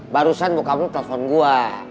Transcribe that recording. barusan bokap lo telepon gue